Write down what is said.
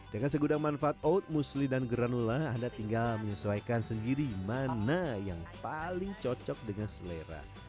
dengan segudang manfaat oat mostly dan granula anda tinggal menyesuaikan sendiri mana yang paling cocok dengan selera